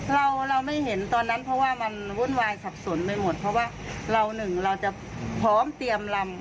เราเราไม่เห็นตอนนั้นเพราะว่ามันวุ่นวายสับสนไปหมดเพราะว่าเราหนึ่งเราจะพร้อมเตรียมลำ